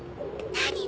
何？